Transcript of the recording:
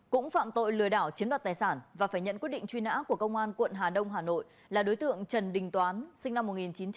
cũng phạm tội lừa đảo chiếm đoạt tài sản và phải nhận quyết định truy nã của công an quận hà đông hà nội là đối tượng trần đình toán sinh năm một nghìn chín trăm tám mươi